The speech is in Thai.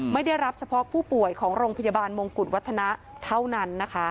ไม่ได้รับเฉพาะผู้ป่วยของโรงพยาบาลมงกุฎวัฒนะเท่านั้นนะคะ